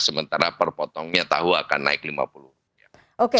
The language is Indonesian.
sementara per potongnya tahu akan naik lima puluh rupiah